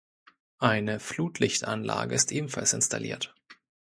Eine Flutlichtanlage ist ebenfalls installiert.